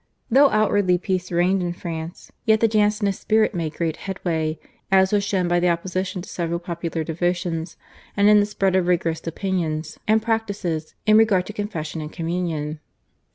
Though outwardly peace reigned in France, yet the Jansenist spirit made great headway, as was shown by the opposition to several popular devotions and in the spread of rigorist opinions and practices in regard to confession and communion.